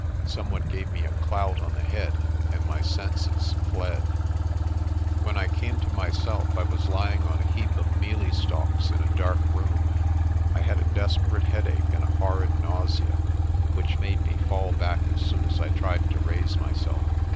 Some one gave me a clout on the head and my senses fled. 194 PRESTER JOHN When I came to myself, I was lying on a heap of mealie stalks in a dark room. I had a desperate headache and a horrid nausea, which made me fall back as soon as I tried to raise myself.